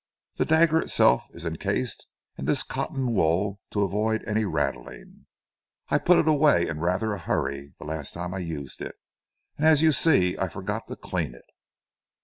The dagger itself is encased in this cotton wool to avoid any rattling. I put it away in rather a hurry the last time I used it, and as you see I forgot to clean it."